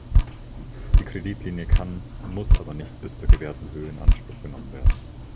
Die Kreditlinie kann, muss aber nicht bis zur gewährten Höhe in Anspruch genommen werden.